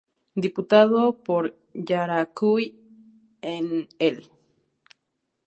Diputado por Yaracuy en e!